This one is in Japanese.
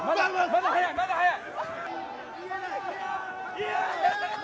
まだ早い、まだ早い。